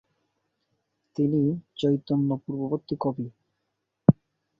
তিনি চৈতন্য-পূর্ববর্তী কবি।